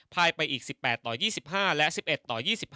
ไปอีก๑๘ต่อ๒๕และ๑๑ต่อ๒๕